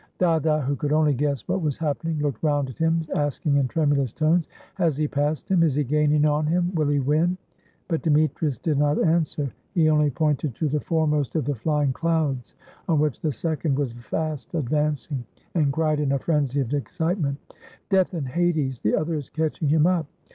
Dada, who could only guess what was happening, looked round at him, asking in tremulous tones: " Has he passed him? Is he gaining on him? Will he win?" But Demetrius did not answer; he only pointed to the foremost of the flying clouds on which the second was fast advancing, and cried in a frenzy of excitement: — "Death and Hades! The other is catching him up.